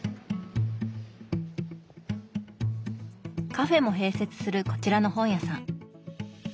カフェも併設するこちらの本屋さん。